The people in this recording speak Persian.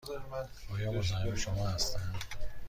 آیا مزاحم شما هستم؟